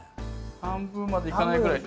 半分までいかないぐらいで。